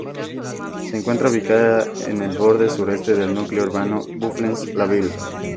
Se encuentra ubicada en borde suroeste del núcleo urbano de Vufflens-la-Ville.